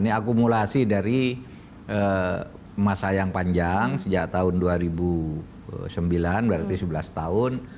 ini akumulasi dari masa yang panjang sejak tahun dua ribu sembilan berarti sebelas tahun